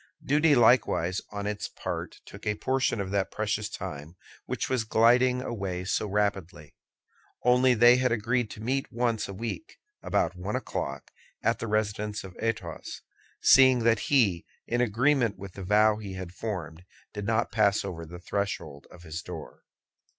Duty likewise on its part took a portion of that precious time which was gliding away so rapidly—only they had agreed to meet once a week, about one o'clock, at the residence of Athos, seeing that he, in agreement with the vow he had formed, did not pass over the threshold of his door.